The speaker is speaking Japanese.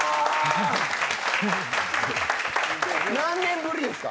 何年ぶりですか？